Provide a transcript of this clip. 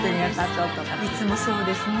いつもそうですね。